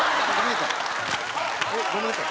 えっごめんなさい。